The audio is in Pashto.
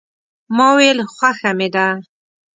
ما ویل خوښه مې ده.